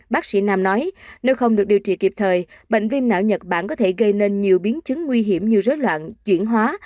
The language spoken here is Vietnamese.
bác sĩ nam nói nếu không được điều trị kịp thời bệnh viêm não nhật bản có thể gây nên nhiều biến chứng nguy hiểm như rối loạn chuyển hóa